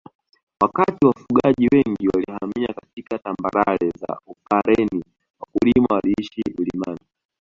Wakati wafugaji wengi walihamia katika tambarare za Upareni wakulima waliishi milimani